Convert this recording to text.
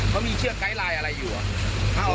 เขามีเสื้อไกรไลน์อะไรอยู่อะ